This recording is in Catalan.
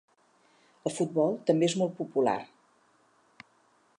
El futbol també és molt popular.